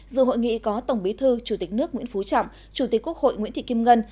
dự hội nghị có tổng bí thư chủ tịch nước nguyễn phú trọng chủ tịch quốc hội nguyễn thị kim ngân